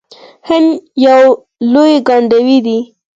هند یو لوی ګاونډی دی.